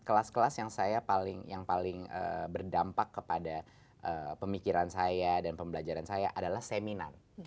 kelas kelas yang saya yang paling berdampak kepada pemikiran saya dan pembelajaran saya adalah seminar